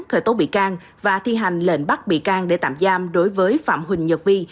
khởi tố bị can và thi hành lệnh bắt bị can để tạm giam đối với phạm huỳnh nhật vi